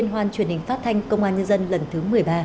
đoàn truyền hình phát thanh công an nhân dân lần thứ một mươi ba